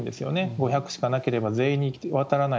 ５００しかなければ全員に渡らない。